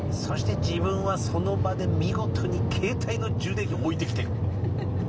そしてジブンはその場で見事に携帯の充電器を置いてきてる。